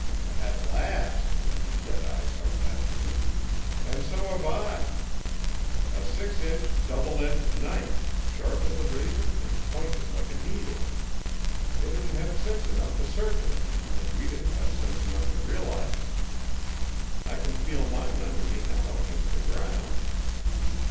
"At last!" said I sarcastically. "And so have I. A six inch, double edged knife, sharp as a razor and pointed like a needle. They didn't have sense enough to search us, and we didn't have sense enough to realize it. I can feel mine under me now against the ground."